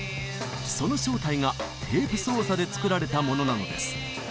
その正体がテープ操作で作られたものなのです。